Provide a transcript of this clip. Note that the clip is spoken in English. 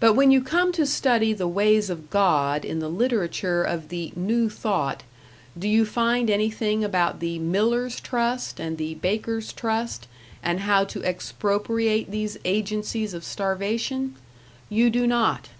But when you come to study the ways of God in the literature of the New Thought, do you find anything about the Millers' Trust and the Bakers' Trust and how to expropriate these agencies of starvation? You do not!